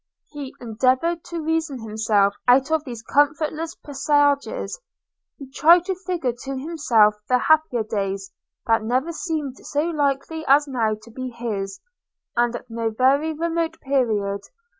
He endeavoured to reason himself out of these comfortless presages. He tried to figure to himself the happier days, that never seemed so likely as now to be his, and at no very remote period.